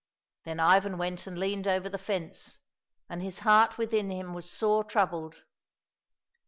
Then Ivan went and leaned over the fence, and his heart within him was sore troubled.